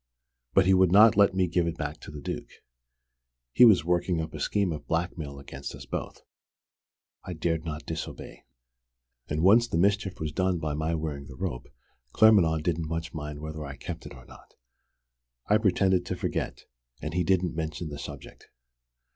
But he would not let me give it back to the Duke. He was working up a scheme of blackmail against us both. I dared not disobey and once the mischief was done by my wearing the rope Claremanagh didn't much mind whether I kept it or not. I pretended to forget, and he didn't mention the subject.